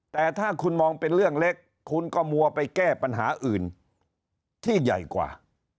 แต่ถ้าคุณมองเป็นเรื่องเล็กคุณก็มัวไปแก้ปัญหาอื่นที่ใหญ่กว่า